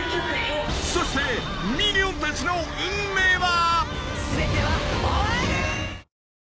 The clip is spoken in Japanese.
［そしてミニオンたちの運命は！？］